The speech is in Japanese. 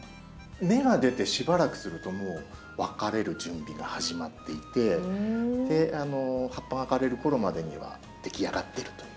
芽が出てしばらくするともう分かれる準備が始まっていて葉っぱが枯れるころまでには出来上がってるという。